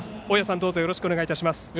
大矢さん、どうぞよろしくお願いいたします。